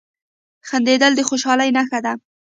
• خندېدل د خوشحالۍ نښه ده.